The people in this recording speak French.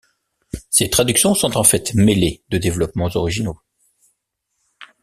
Ses traductions sont en fait mêlées de développements originaux.